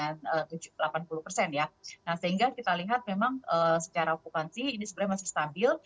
nah sehingga kita lihat memang secara okupansi ini sebenarnya masih stabil